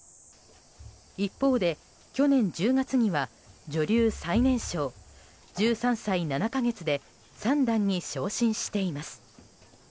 一方で去年１０月には女流最年少１３歳７か月で三段に昇進しています。